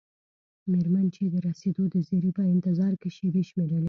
میرمن چې د رسیدو د زیري په انتظار کې شیبې شمیرلې.